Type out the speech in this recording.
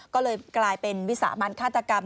ก็เลยกลายเป็นวิสามันฆาตกรรม